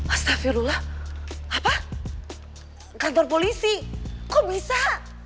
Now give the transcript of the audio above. astagfirullah apa kantor polisi kok bisa